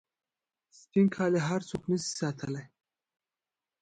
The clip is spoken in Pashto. سپین کالي هر څوک نسي ساتلای.